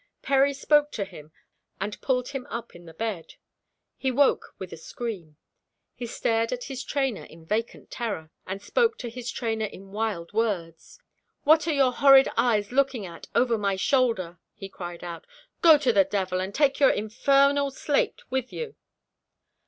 Perry spoke to him, and pulled him up in the bed. He woke with a scream. He stared at his trainer in vacant terror, and spoke to his trainer in wild words. "What are your horrid eyes looking at over my shoulder?" he cried out. "Go to the devil and take your infernal slate with you!"